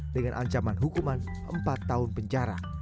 dengan ancaman hukuman empat tahun penjara